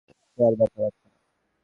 সে আর ব্যথা পাচ্ছে না।